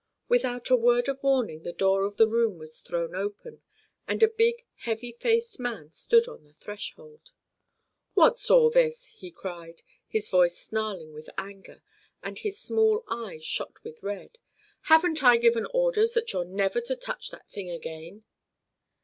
Without a word of warning the door of the room was thrown open, and a big, heavy faced man stood on the threshold. "What's all this?" he cried, his voice snarling with anger, and his small eyes shot with red. "Haven't I given orders that you're never to touch that thing again?"